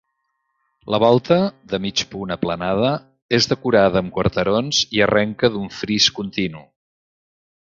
La volta, de mig punt aplanada, és decorada amb quarterons i arrenca d'un fris continu.